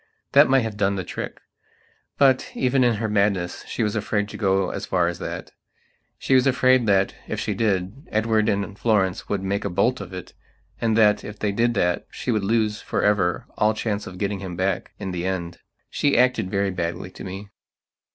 ." That might have done the trick. But, even in her madness, she was afraid to go as far as that. She was afraid that, if she did, Edward and Florence would make a bolt of it, and that, if they did that, she would lose forever all chance of getting him back in the end. She acted very badly to me.